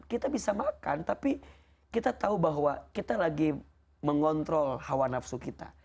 kita bisa makan tapi kita tahu bahwa kita lagi mengontrol hawa nafsu kita